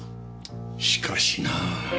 しかしなぁ。